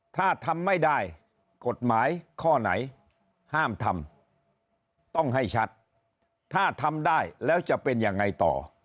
ถ้าทำไม่ได้กฎหมายข้อไหนห้ามทำต้องให้ชัดถ้าทำได้แล้วจะเป็นยังไงต่อ